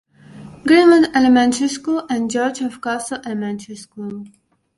Greenwood Elementary School and George F. Cassell Elementary School.